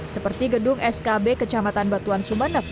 seperti gedung skb kecamatan batuan sumeneb